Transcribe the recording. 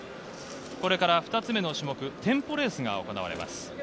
これから２つ目の種目、テンポレースが行われます。